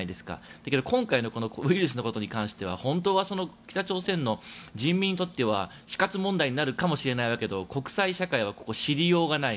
だけど今回のウイルスのことに関しては本当は北朝鮮の人民にとっては死活問題になるかもしれないわけだけど、国際社会はここを知りようがない。